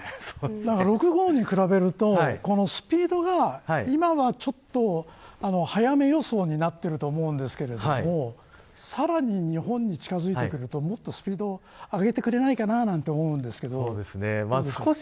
６号に比べるとスピードが、今はちょっと早めの予想になっているんですけどさらに日本に近づくと、もっとスピード上げてくれないかなと思うんですけど。